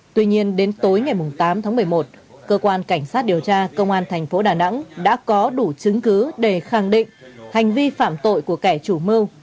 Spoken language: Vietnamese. tuy nhiên đến tối ngày tám tháng một mươi một cơ quan cảnh sát điều tra công an thành phố đà nẵng đã có đủ chứng cứ để khẳng định hành vi phạm tội của kẻ chủ mưu